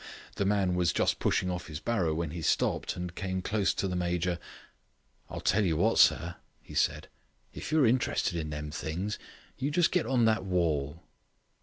The man was just pushing off his barrow when he stopped and came close to the Major. "I'll tell you what, sir," he said. "If you're interested in them things, you just get on to that wall."